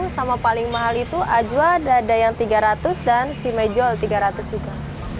sama paling mahal itu ajwa ada yang rp tiga ratus dan si mejol rp tiga ratus juga